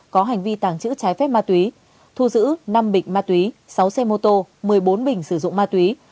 có hành vi tàng trữ trái phép ma túy thu giữ năm bịch ma túy sáu xe mô tô một mươi bốn bình sử dụng ma túy